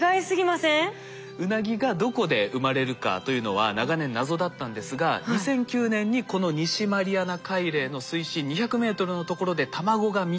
ウナギがどこで生まれるかというのは長年謎だったんですが２００９年にこの西マリアナ海嶺の水深２００ｍのところで卵が見つかって